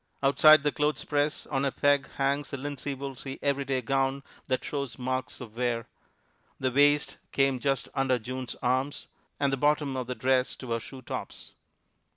Outside the clothespress, on a peg, hangs a linsey woolsey every day gown that shows marks of wear. The waist came just under June's arms, and the bottom of the dress to her shoe tops.